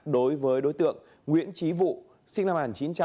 đối với đối tượng nguyễn trí vụ sinh năm một nghìn chín trăm tám mươi